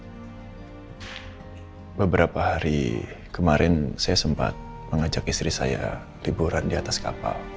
beberapa kondisi saya sudah lebih agak stabil tapi beberapa hari kemarin saya sempat mengajak istri saya liburan diatas kapal